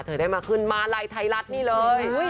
ได้มาขึ้นมาลัยไทยรัฐนี่เลย